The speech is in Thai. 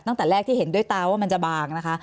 ตั้งแต่แรกที่เห็นด้วยตาว่ามันจะบางนะคะ